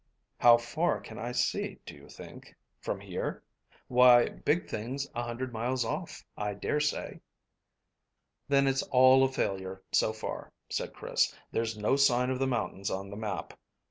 "How far can I see, do you think?" "From here? Why, big things a hundred miles off, I dare say." "Then it's all a failure, so far," said Chris; "there's no sign of the mountains on the map.